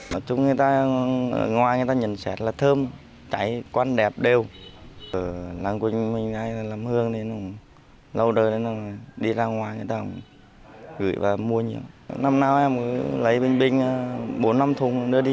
nói chung người ta ở ngoài người ta nhận xét là thơm cái quan đẹp đều